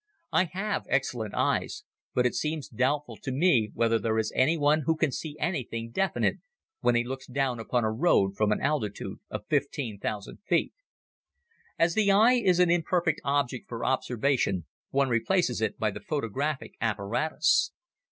I have excellent eyes but it seems doubtful to me whether there is anyone who can see anything definite when he looks down upon a road from an altitude of fifteen thousand feet. As the eye is an imperfect object for observation one replaces it by the photographic apparatus.